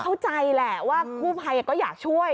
เข้าใจแหละว่ากู้ภัยก็อยากช่วย